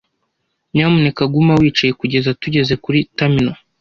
Nyamuneka guma wicaye kugeza tugeze kuri terminal.